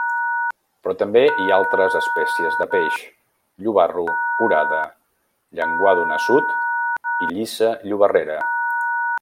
Però també hi ha altres espècies de peix: llobarro, orada, llenguado nassut i llissa llobarrera.